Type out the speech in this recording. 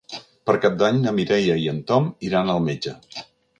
Per Cap d'Any na Mireia i en Tom iran al metge.